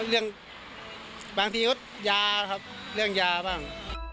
เรื่องบางทีก็ยาครับเรื่องยาบ้าง